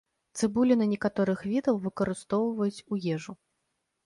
Цыбуліны некаторых відаў выкарыстоўваюць у ежу.